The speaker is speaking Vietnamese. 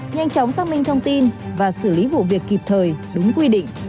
nhanh chóng xác minh thông tin và xử lý vụ việc kịp thời đúng quy định